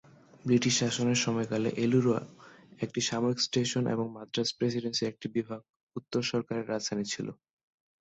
British শাসনের সময়কালে এলুরু একটি সামরিক স্টেশন এবং মাদ্রাজ প্রেসিডেন্সির একটি বিভাগ উত্তর সরকারের রাজধানী ছিল।